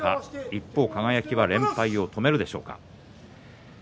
一方、輝は連敗を止めるでしょうか。